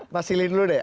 mas ilin dulu deh